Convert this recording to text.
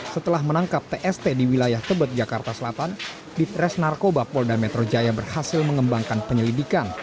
setelah menangkap tst di wilayah tebet jakarta selatan ditres narkoba polda metro jaya berhasil mengembangkan penyelidikan